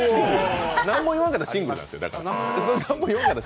何も言わなきゃシングルなんです。